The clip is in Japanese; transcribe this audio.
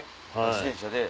自転車で。